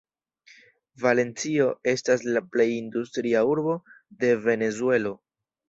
Valencio estas la plej industria urbo de Venezuelo.